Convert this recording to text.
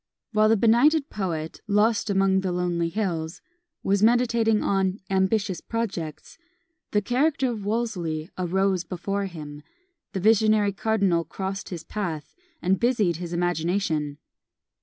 While the benighted poet, lost among the lonely hills, was meditating on "ambitious projects," the character of Wolsey arose before him; the visionary cardinal crossed his path, and busied his imagination.